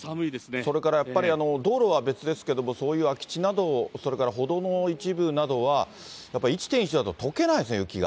それからやっぱり道路は別ですけれども、そういう空き地など、それから歩道の一部などは、やっぱり１．１度だととけないですね、雪が。